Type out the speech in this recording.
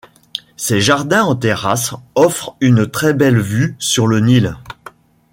Ses jardins en terrasse offrent une très belle vue sur le Nil.